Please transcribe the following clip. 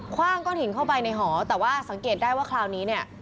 ว่างก้อนหินเข้าไปในหอแต่ว่าสังเกตได้ว่าคราวนี้เนี่ย